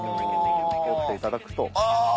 取っていただくと。